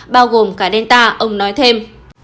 bao gồm cả delta ông nói thêm